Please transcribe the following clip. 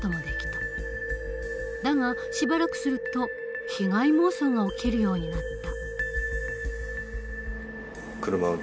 だがしばらくすると被害妄想が起きるようになった。